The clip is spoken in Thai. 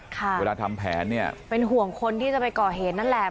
เวลาทำแผนเนี่ยเป็นห่วงคนที่จะไปก่อเหตุนั่นแหละ